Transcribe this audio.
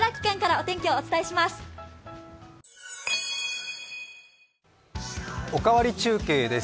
「おかわり中継」です。